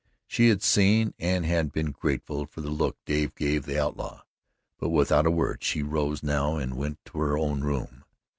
She had seen and had been grateful for the look Dave gave the outlaw, but without a word she rose new and went to her own room.